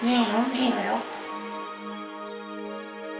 いいのよ。